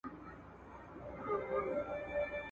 ايا ته مړۍ خورې